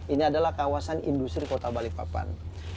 ini adalah kawasan industri kota balikpapan